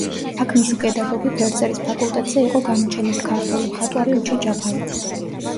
აქ მისი პედაგოგი ფერწერის ფაკულტეტზე იყო გამოჩენილი ქართველი მხატვარი უჩა ჯაფარიძე.